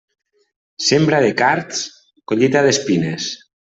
Sembra de cards, collita d'espines.